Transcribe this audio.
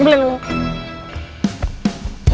ini beli dulu